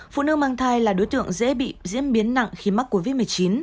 phụ nữ mang thai là đối tượng dễ bị diễn biến nặng khi mắc covid một mươi chín